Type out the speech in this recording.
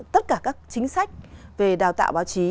tất cả các chính sách về đào tạo báo chí